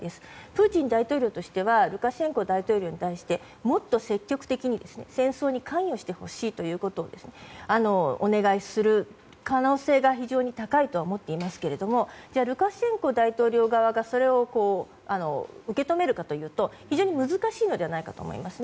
プーチン大統領としてはルカシェンコ大統領に対してもっと積極的に戦争に関与してほしいということをお願いする可能性が非常に高いと思っていますがルカシェンコ大統領側がそれを受け止めるかというと非常に難しいのではないかと思います。